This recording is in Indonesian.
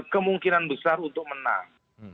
kemungkinan besar untuk menang